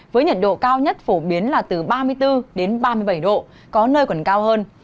với nhiệt độ cao nhất phổ biến là từ ba mươi bốn đến ba mươi bảy độ có nơi còn cao hơn